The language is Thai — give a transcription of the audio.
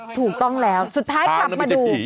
ถูกต้องแล้วสุดท้ายกลับมาดู